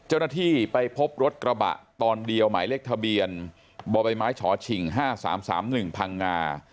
เจ้าหน้าที่ไปพบรถกระบะตอนเดียวหมายเลขทะเบียนบ่อใบไม้ฉิง๕๓๓๑พังงา